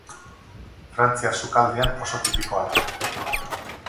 Frantziar sukaldean oso tipikoa da.